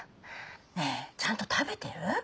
ねぇちゃんと食べてる？